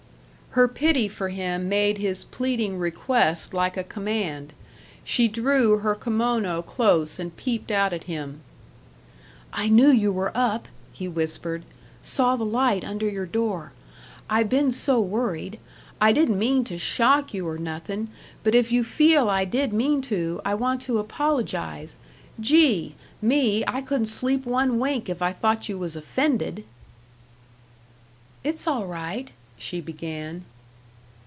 Her pity for him made his pleading request like a command. She drew her kimono close and peeped out at him. "I knew you were up," he whispered; "saw the light under your door. I been so worried. I didn't mean to shock you, or nothing, but if you feel I did mean to, I want to apologize. Gee! me, I couldn't sleep one wink if I thought you was offended." "It's all right " she began.